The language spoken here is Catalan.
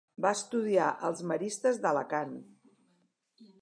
Va estudiar als maristes d'Alacant.